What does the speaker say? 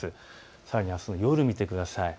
さらにあすの夜、見てください。